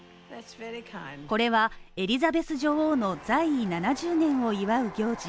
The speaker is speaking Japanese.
これはエリザベス女王の在位７０年を祝う行事